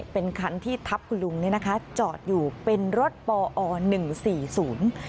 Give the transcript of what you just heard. เป็นคันที่ทับคุณลุงเนี่ยนะคะจอดอยู่เป็นรถปอหนึ่งสี่ศูนย์